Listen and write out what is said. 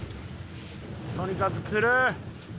とにかく釣る！